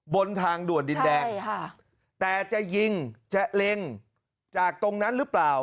บนทางด่วนดินแดงแต่จะยิงจะเล็งจากตรงนั้นหรือเปล่า